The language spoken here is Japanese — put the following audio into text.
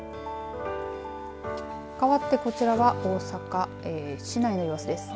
かわってこちらは大阪市内の様子です。